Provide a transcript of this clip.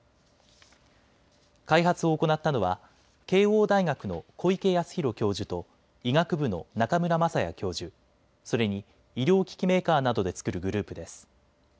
開発を行ったのは慶應大学の小池康博教授と医学部の中村雅也教授、それに医療機器メーカーなどで作るグループです。